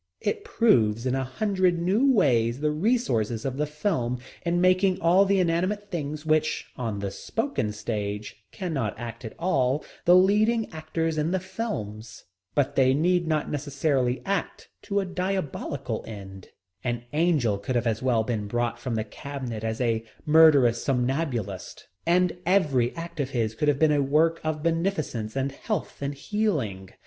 It proves in a hundred new ways the resources of the film in making all the inanimate things which, on the spoken stage, cannot act at all, the leading actors in the films. But they need not necessarily act to a diabolical end. An angel could have as well been brought from the cabinet as a murderous somnambulist, and every act of his could have been a work of beneficence and health and healing.